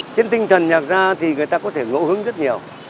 trên tinh thần nhạc gia thì người ta có thể ngộ hứng rất nhiều